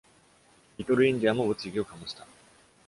リトルインディアも物議を醸した。